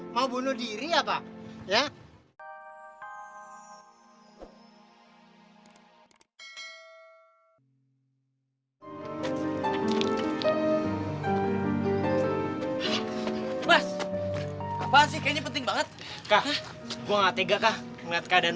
mau bunuh diri apa ya mas apa sih kayaknya penting banget kak gua nggak tega kak keadaan